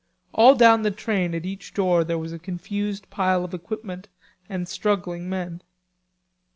All down the train at each door there was a confused pile of equipment and struggling men.